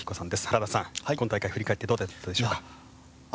原田さん、今大会振り返ってどうだったでしょうか？